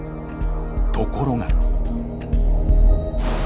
ところが。